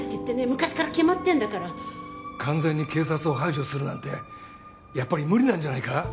昔から決まってんだから完全に警察を排除するなんてやっぱり無理なんじゃないか？